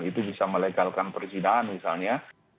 itu bisa melegalkan perzinahan misalnya